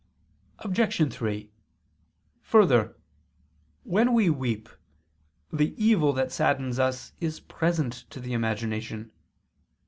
Obj. 3: Further, when we weep, the evil that saddens us is present to the imagination.